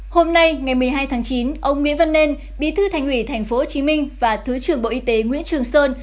hôm nay ngày một mươi hai tháng chín ông nguyễn văn nên bí thư thành ủy tp hcm và thứ trưởng bộ y tế nguyễn trường sơn